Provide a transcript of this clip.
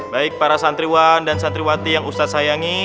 baik para santriwan dan santriwati yang ustadz sayangi